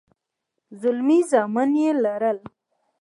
زلمي زامن يې لرل.